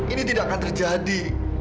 ini tidak akan terjadi